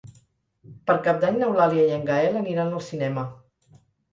Per Cap d'Any n'Eulàlia i en Gaël aniran al cinema.